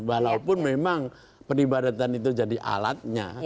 walaupun memang peribadatan itu jadi alatnya